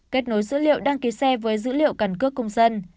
kết nối dữ liệu đăng ký xe với dữ liệu cần cước công dân